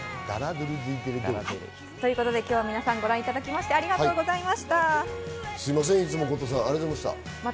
今日は皆さん、ご覧いただきましてありがとうございました。